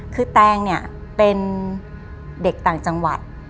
คือแตงเนี่ยเป็นเด็กต่างจังหวัด